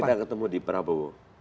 sejak kita ketemu di prabowo